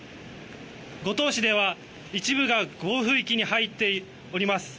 五島市では一部が暴風域に入っています。